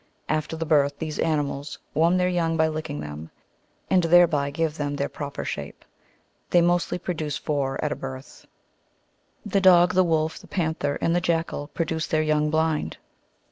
After the birth, these animals warm their young by licking them, and thereby give them their proper shape ; they mostly produce four at a birth. The dog, the wolf, the panther, and the jackal produce their young blind.